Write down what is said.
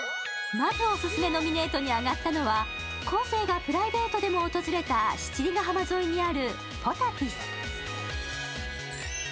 まずはオススメノミネートに上がったのは昴生がプライベートでも訪れた七里ヶ浜沿いにあるｐｏｔａｔｉｓ。